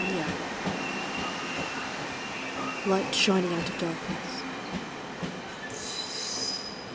LIGHT SHINING OUT OF DARKNESS.